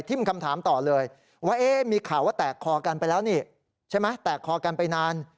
คำถามต่อเลยว่ามีข่าวว่าแตกคอกันไปแล้วนี่ใช่ไหมแตกคอกันไปนาน